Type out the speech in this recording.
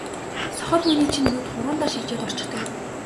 сохор хүний чинь нүд хуруундаа шилжээд орчихдог юм шүү дээ.